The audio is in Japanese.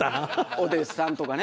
お弟子さんとかね。